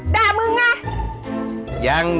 ด่ามึงไง